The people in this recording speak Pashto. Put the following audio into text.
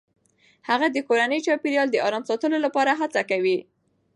هغه د کورني چاپیریال د آرام ساتلو لپاره هڅه کوي.